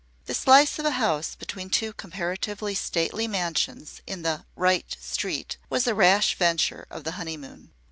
The slice of a house between two comparatively stately mansions in the "right street" was a rash venture of the honeymoon.